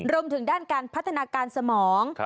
รวมถึงด้านการพัฒนาการสมอง